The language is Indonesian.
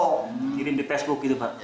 kirim di facebook gitu pak